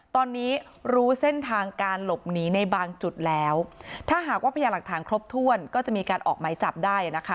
ตอนนี้รู้เส้นทางการหลบหนีในบางจุดแล้วถ้าหากว่าพยาหลักฐานครบถ้วนก็จะมีการออกหมายจับได้นะคะ